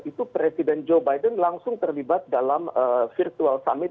itu presiden joe biden langsung terlibat dalam virtual summit